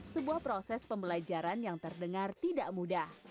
sebuah proses pembelajaran yang terdengar tidak mudah